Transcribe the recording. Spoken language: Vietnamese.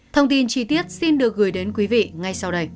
thông tin chi tiết xin được gửi đến quý vị ngay sau đây